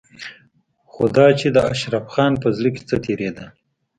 خو دا چې د اشرف خان په زړه کې څه تېرېدل.